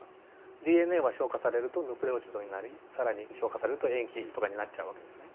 ＤＮＡは消化されるとヌクレオチドになり更に消化されると塩基とかになっちゃう訳ですね。